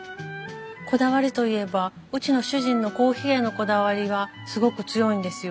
こだわりといえばうちの主人のコーヒーへのこだわりがすごく強いんですよ。